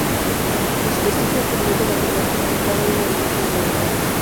Los vestigios permiten afirmar que se trataba de un edificio monumental.